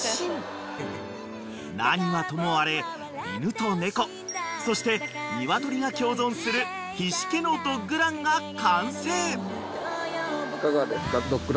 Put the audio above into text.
［何はともあれ犬と猫そしてニワトリが共存する菱家のドッグランが完成］